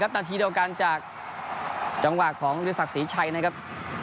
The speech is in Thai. ตัดทีเดียวกันจากานจังหวะของวิสักศรีชัยนะครับ